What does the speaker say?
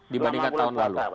dibandingkan tahun lalu